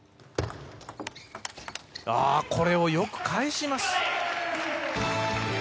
これをよく返します。